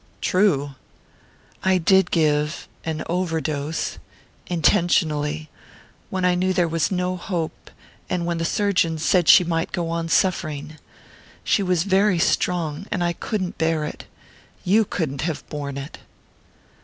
"True?" "I did give...an overdose...intentionally, when I knew there was no hope, and when the surgeons said she might go on suffering. She was very strong...and I couldn't bear it...you couldn't have borne it...."